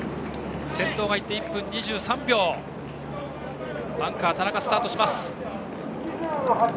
先頭が行って１分２３秒でアンカーの田中がスタートします。